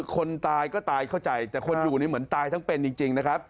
คนตายก็ตายเข้าใจแต่คนอยู่นี่เหมือนตายทั้งเป็นจริงนะครับ